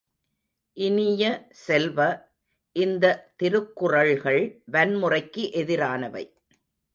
இனிய செல்வ, இந்த திருக்குறள்கள் வன்முறைக்கு எதிரானவை!